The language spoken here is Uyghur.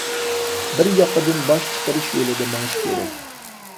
بىر ياقىدىن باش چىقىرىش يولىدا مېڭىش كېرەك.